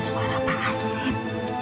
itu suara pak asyik